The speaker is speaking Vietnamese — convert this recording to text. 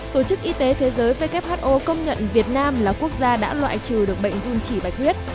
tổ chức y tế thế giới who công nhận việt nam là quốc gia đã loại trừ được bệnh dung chỉ bạch huyết